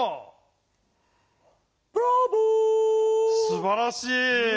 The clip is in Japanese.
すばらしい！